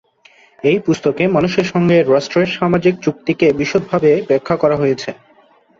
এই পুস্তকে মানুষের সঙ্গে রাষ্ট্রের সামাজিক চুক্তিকে বিশদভাবে ব্যাখ্যা করা হয়েছে।